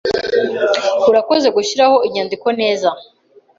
Urakoze gushiraho inyandiko neza.